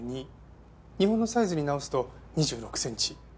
日本のサイズに直すと２６センチ。